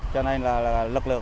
cho nên là lực lượng